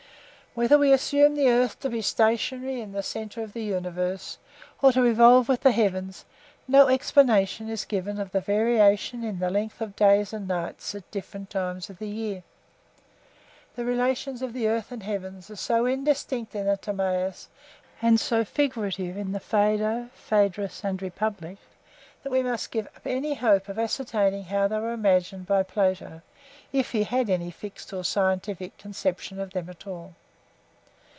Whether we assume the earth to be stationary in the centre of the universe, or to revolve with the heavens, no explanation is given of the variation in the length of days and nights at different times of the year. The relations of the earth and heavens are so indistinct in the Timaeus and so figurative in the Phaedo, Phaedrus and Republic, that we must give up the hope of ascertaining how they were imagined by Plato, if he had any fixed or scientific conception of them at all.